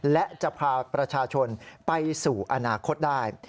และจะพาประชาชนไปสู่อนาคตได้